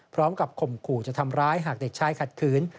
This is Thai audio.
พร้อมกับข่มขู่จะทำร้ายหากเด็กชายขัดคืน